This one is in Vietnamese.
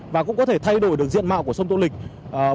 và cũng có thể thay đổi được diện mạo của sông tô lịch